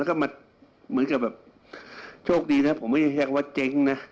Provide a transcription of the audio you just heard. แต่ก็เหมือนกับโชคดีนะครับผมไม่จะแท้ว่าเจ๋งนะ